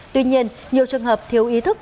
tuy nhiên nhiều trường hợp thiếu ý thức